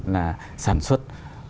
là sản xuất